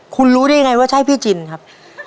คุณรู้ได้ยังไงว่าใช่พี่จินครับ